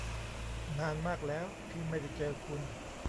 นานมากแล้วที่ไม่ได้เจอคุณ !